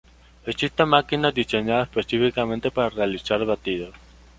Existen máquinas diseñadas específicamente para realizar batidos.